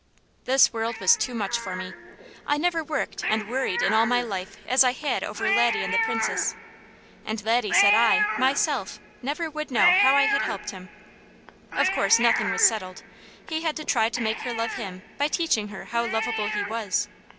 This world was too much for me. I never worked and worried in all my life as I had over Laddie and the Princess, and Laddie said I, myself, never would know how I had helped him. Of course nothing was settled; he had to try to make her love him by teaching her how lovable he was.